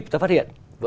người ta phát hiện